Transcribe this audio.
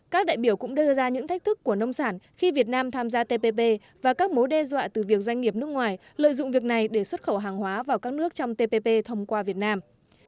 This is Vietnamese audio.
các đại biểu cũng đưa ra những thách thức của nông sản khi việt nam tham gia tpp và các mối đe dọa từ việc doanh nghiệp nước ngoài lợi dụng việc này để xuất khẩu hàng hóa vào các nước trong tpp thông qua việt nam